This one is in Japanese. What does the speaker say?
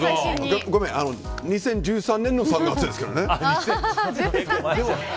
２０１３年の３月ですけどね。